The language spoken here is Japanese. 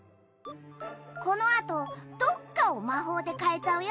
このあとどっかを魔法で変えちゃうよ。